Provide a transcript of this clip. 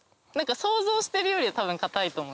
想像してるよりは多分堅いと思います。